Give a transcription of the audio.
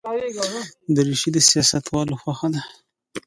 دریشي د سیاستوالو خوښه ده.